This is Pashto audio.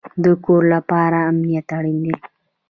د کور لپاره امنیت اړین دی